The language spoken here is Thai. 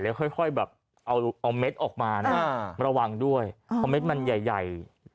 แล้วค่อยแบบเอาเม็ดออกมานะระวังด้วยเพราะเม็ดมันใหญ่